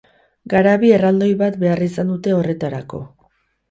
Garabi erraldoi bat behar izan dute horretarako.